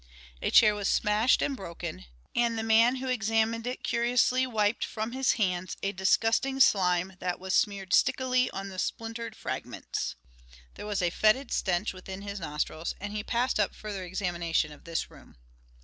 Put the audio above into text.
A chair was smashed and broken, and the man who examined it curiously wiped from his hands a disgusting slime that was smeared stickily on the splintered fragments. There was a fetid stench within his nostrils, and he passed up further examination of this room.